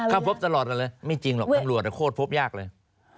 ถ้าพบตลอดกันเลยไม่จริงหรอกตำรวจโคตรพบยากเลย